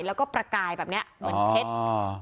แล้วก็ประกายแบบนี้เหมือนเพชร